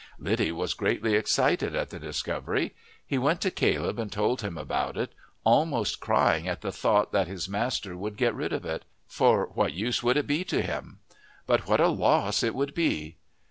Liddy was greatly excited at the discovery; he went to Caleb and told him about it, almost crying at the thought that his master would get rid of it. For what use would it be to him? but what a loss it would be!